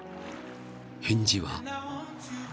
［返事は］